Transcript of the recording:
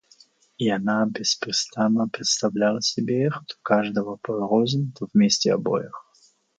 И она беспрестанно представляла себе их, то каждого порознь, то вместе обоих.